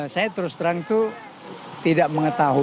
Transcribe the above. saya terus terang itu tidak mengetahui